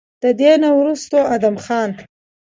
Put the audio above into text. د دې نه وروستو ادم خان